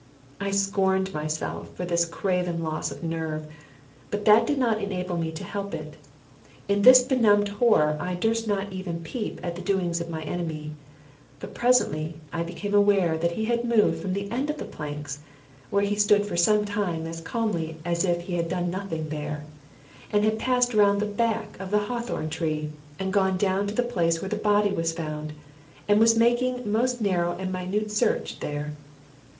I scorned myself for this craven loss of nerve, but that did not enable me to help it. In this benumbed horror I durst not even peep at the doings of my enemy; but presently I became aware that he had moved from the end of the planks (where he stood for some time as calmly as if he had done nothing there), and had passed round the back of the hawthorn tree, and gone down to the place where the body was found, and was making most narrow and minute search there.